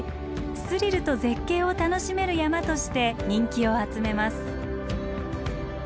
スリルと絶景を楽しめる山として人気を集めます。